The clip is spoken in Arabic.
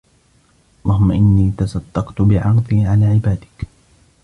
اللَّهُمَّ إنِّي تَصَدَّقْتُ بِعِرْضِي عَلَى عِبَادِك